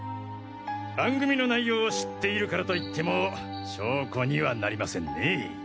番組の内容を知っているからといっても証拠にはなりませんねぇ。